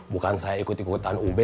bukan saya ikut ikutan ub